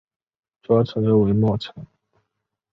主要城镇为莫城。